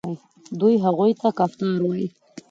دوی هغوی ته کفتار وايي.